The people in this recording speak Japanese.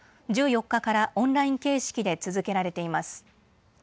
１４日からオンライン形式で続けられています。